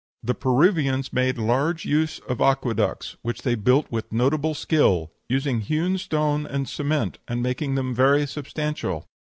"The Peruvians made large use of aqueducts, which they built with notable skill, using hewn stones and cement, and making them very substantial."